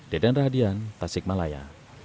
dedan radian tasik malaya